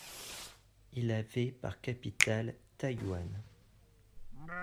Il avait par capitale Taiyuan.